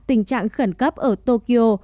tình trạng khẩn cấp ở tokyo